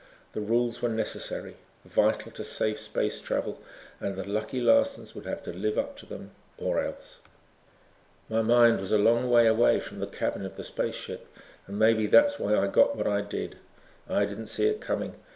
The rules were necessary, vital to safe space travel and the Lucky Larsons would have to live up to them, or else. My mind was a long way away from the cabin of the space ship and maybe that's why I got what I did. I didn't see it coming.